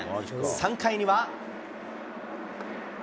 ３回には。